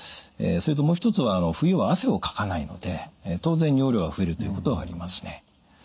それともう一つは冬は汗をかかないので当然尿量が増えるということがありますね。